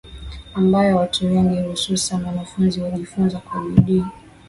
ambayo watu wengi hususani wanafunzi hujifunza kwa bidii